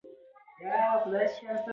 سلیمان غر د جغرافیوي تنوع یو مثال دی.